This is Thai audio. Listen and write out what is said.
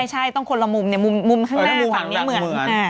ใช่ต้องคนละมุมมุมข้างหน้าฝั่งนี้เหมือน